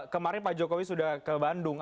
kemarin pak jokowi sudah ke bandung